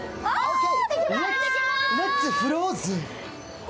レッツ・フローズン！